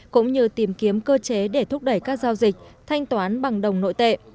cũng như tìm kiếm cơ chế để thúc đẩy các giao dịch thanh toán bằng đồng nội tệ